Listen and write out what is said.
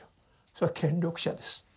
それは権力者です。